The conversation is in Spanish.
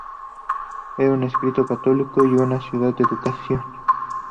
Era un estricto católico y con una cuidada educación.